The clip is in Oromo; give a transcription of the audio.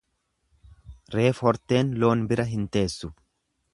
Reef horteen loon bira hin teessu.